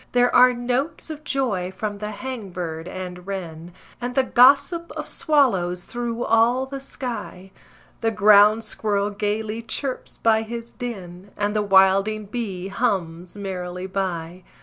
There are notes of joy from the hang bird and wren, And the gossip of swallows through all the sky; The ground squirrel gaily chirps by his den, And the wilding bee hums merrily by.